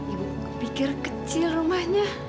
ibu pikir kecil rumahnya